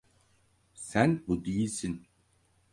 Sen bu değilsin.